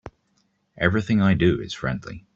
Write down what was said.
Everything I do is friendly.